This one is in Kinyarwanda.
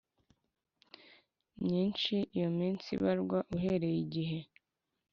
myinshi Iyo minsi ibarwa uhereye igihe